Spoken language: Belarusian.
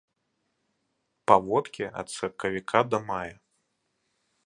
Паводкі ад сакавіка да мая.